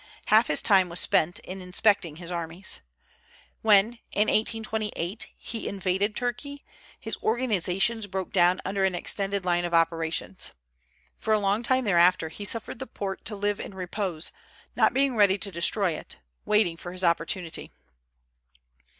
Half his time was spent in inspecting his armies. When, in 1828, he invaded Turkey, his organizations broke down under an extended line of operations. For a long time thereafter he suffered the Porte to live in repose, not being ready to destroy it, waiting for his opportunity.